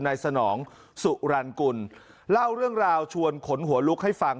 สนองสุรรณกุลเล่าเรื่องราวชวนขนหัวลุกให้ฟัง